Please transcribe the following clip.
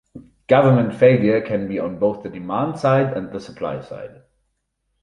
Government failure can be on both the demand side and the supply side.